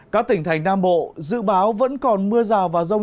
các tỉnh thành nam bộ dự báo vẫn còn mưa rào và rông